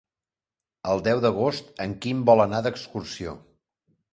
El deu d'agost en Quim vol anar d'excursió.